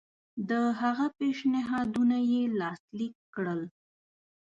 د هغه پېشنهادونه یې لاسلیک کړل.